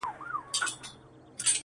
په نصيب يې وې ښادۍ او نعمتونه-